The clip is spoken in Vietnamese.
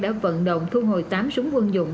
đã vận động thu hồi tám súng quân dụng